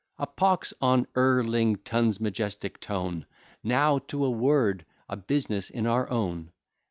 A pox on Elrington's majestic tone! Now to a word of business in our own.